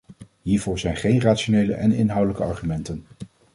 Hiervoor zijn geen rationele en inhoudelijke argumenten.